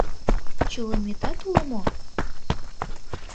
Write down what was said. Чылыметат уло мо?